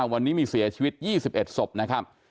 วันนี้มีเสียชีวิต๒๑ศพนะครับ